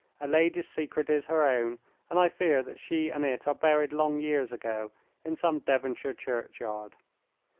A lady's secret is her own, and I fear that she and it are buried long years ago in some Devonshire churchyard.